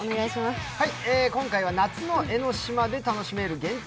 今回は夏の江の島で楽しめる限定